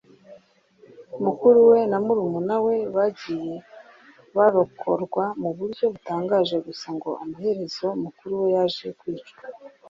mukuru we na murumuna we bagiye barokorwa mu buryo butangaje gusa ngo amaherezo mukuru we yaje kwicwa